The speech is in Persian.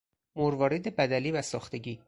مروارید بدلی و ساختگی